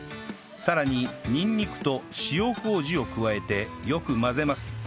さらににんにくと塩麹を加えてよく混ぜます